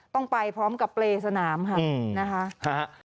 ต้องไปพร้อมกับเปรย์สนามค่ะนะคะ